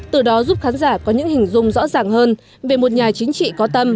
từ đó giúp khán giả có những hình dung rõ ràng hơn về một nhà chính trị có tâm